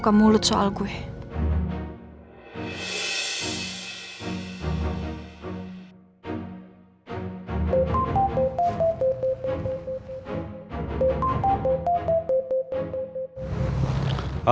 kau gak akan mencoba mencoba mencoba mencoba